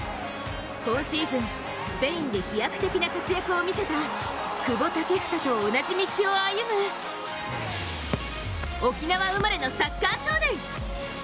今シーズン、スペインで飛躍的な活躍を見せた久保建英と同じ道を歩む沖縄生まれのサッカー少年。